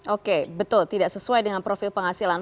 oke betul tidak sesuai dengan profil penghasilan